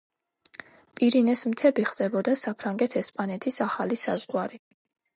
პირენეს მთები ხდებოდა საფრანგეთ-ესპანეთის ახალი საზღვარი.